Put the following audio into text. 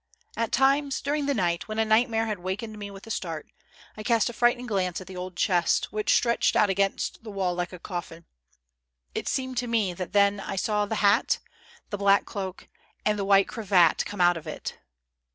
At times, during the night, when a nightmare had awakened me with a start, I cast a frightened glance at the old chest, which stretched out against the wall like a coffin. It seemed to me then that I saw the hat, the black cloak and the white cravat come out of it.